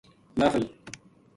محفل